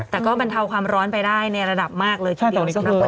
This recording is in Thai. แต่ก็บรรเทาความร้อนไปได้ในระดับมากเลยทีเดียวสำหรับ